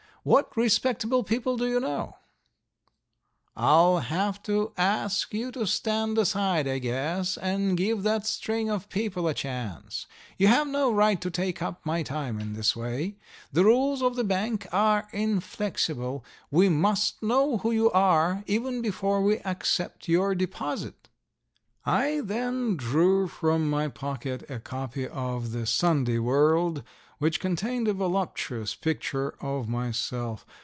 What respectable people do you know?" "I'll have to ask you to stand aside, I guess, and give that string of people a chance. You have no right to take up my time in this way. The rules of the bank are inflexible. We must know who you are, even before we accept your deposit." I then drew from my pocket a copy of the Sunday World, which contained a voluptuous picture of myself.